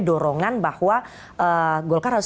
dorongan bahwa golkar harus